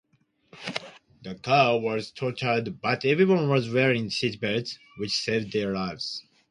The car was totaled but everyone was wearing seat belts, which saved their lives.